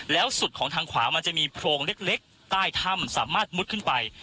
แล้วสุดของทางขวามันจะมีโพรงเล็กใต้ถ้ำสามารถมุดขึ้นไป